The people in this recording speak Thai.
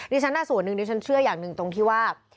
นี่ฉันน่าส่วนหนึ่งนี่ฉันเชื่ออย่างหนึ่งตรงที่ว่า